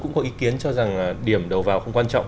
cũng có ý kiến cho rằng điểm đầu vào không quan trọng